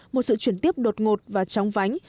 một sự chuyển tiếp đột ngột và trong vánh